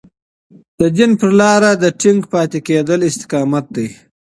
د دين پر لار د ټينګ پاتې کېدل استقامت دی.